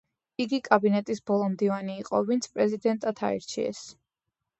იგი კაბინეტის ბოლო მდივანი იყო, ვინც პრეზიდენტად აირჩიეს.